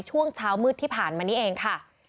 ช่วงเช้ามืดที่ผ่านมานี้เองค่ะ